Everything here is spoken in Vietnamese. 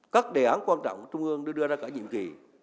các đề án quan trọng trung ương đưa ra cả nhiệm kỳ